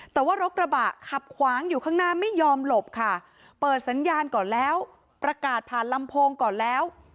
แต่ว่ารถกระบะขับขวางอยู่ข้างหน้าไม่ยอมหลบค่ะเปิดสัญญาณก่อนแล้วประกาศผ่านลำโพงก่อนแล้ว